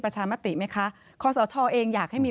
พลั้งเมื่อนี้